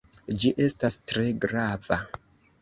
Ĝi estas tre grava.